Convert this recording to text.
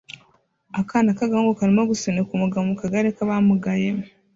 Akana k'agahungu karimo gusunika umugabo mu kagare k'abamugaye